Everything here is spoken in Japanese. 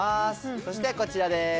そしてこちらです。